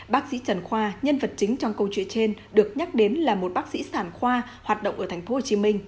bác sĩ trần khoa nhân vật chính trong câu chuyện trên được nhắc đến là một bác sĩ sản khoa hoạt động ở tp hcm